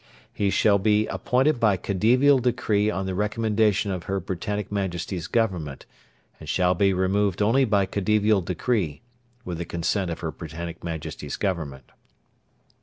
He shall be appointed by Khedivial Decree on the recommendation of Her Britannic Majesty's Government, and shall be removed only by Khedivial Decree, with the consent of Her Britannic Majesty's Government.